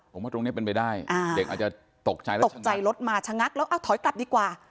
ผมว่าตรงนี้เป็นไปได้เด็กอาจจะตกใจแล้วตกใจรถมาชะงักแล้วเอาถอยกลับดีกว่า